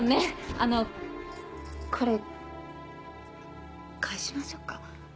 あのこれ返しましょうか？